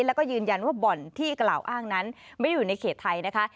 แล้วก็ยืนยันว่าบ่อนที่กล่าวอ้างนั้นไม่ได้อยู่ในเขตไทยนะคะ